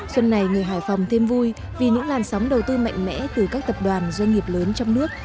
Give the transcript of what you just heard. xuân này người hải phòng thêm vui vì những làn sóng đầu tư mạnh mẽ từ các tập đoàn doanh nghiệp lớn trong nước